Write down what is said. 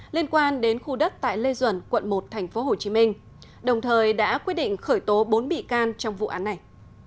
liên quan đến khu đất tại lê duẩn quận một tp hcm đồng thời đã quyết định khởi tố bốn bị can trong vụ án này